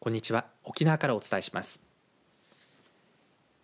沖縄からお伝えします。